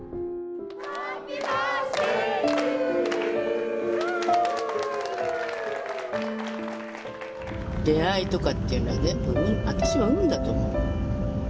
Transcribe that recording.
「ハッピーバースデートゥユー」出会いとかっていうのは全部運私は運だと思う。